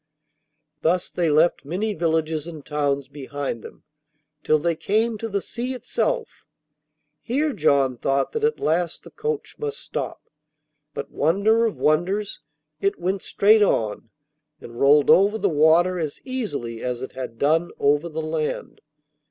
Thus they left many villages and towns behind them, till they came to the sea itself. Here John thought that at last the coach must stop, but, wonder of wonders! it went straight on, and rolled over the water as easily as it had done over the land.